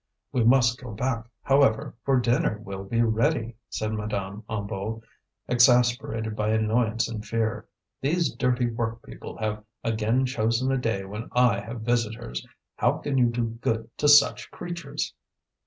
"We must go back, however, for dinner will be ready," said Madame Hennebeau, exasperated by annoyance and fear. "These dirty workpeople have again chosen a day when I have visitors. How can you do good to such creatures?"